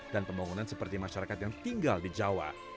pembangunan seperti masyarakat yang tinggal di jawa